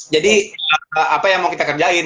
jadi apa yang mau kita kerjain